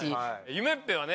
夢っぺはね